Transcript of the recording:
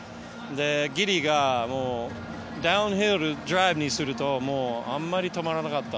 ギディーがダウンヒルドライブにするとあまり止まらなかった。